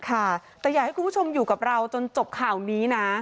ค่ะแต่อยากให้คุณผู้ชมอยู่กับเราจนจบข่าวนี้นะ